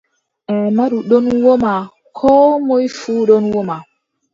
Aamadu ɗon woma Koo moy fuu ɗon woma.